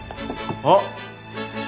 あっ！